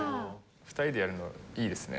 ２人でやるのいいですね。